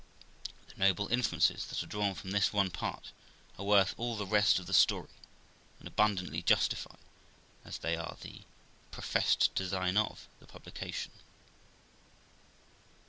The noble inferences that are drawn from this one part are worth all the rest of the story, and abundantly justify, as they are the professed design of, the publication.